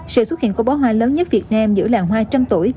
sự xuất hiện của bó hoa lớn nhất việt nam giữa làng hoa trăm tuổi